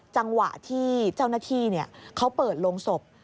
จังหวะที่เจ้าหน้าที่เขาเปิดโรงศพ